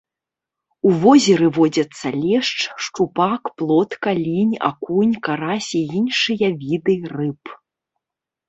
У возеры водзяцца лешч, шчупак, плотка, лінь, акунь, карась і іншыя віды рыб.